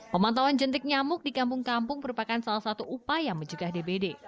pemantauan jentik nyamuk di kampung kampung merupakan salah satu upaya mencegah dbd